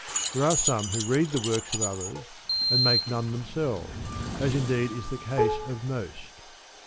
There are some who read the works of others and make none themselves, as indeed is the case of most.